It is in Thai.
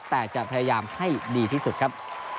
แต่จะพยายามให้ดีที่สุดครับ